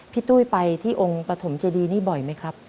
ตุ้ยไปที่องค์ปฐมเจดีนี่บ่อยไหมครับ